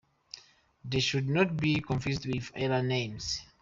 They should not be confused with era names.